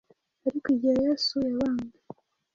Ariko, igihe Yesu yabambwe,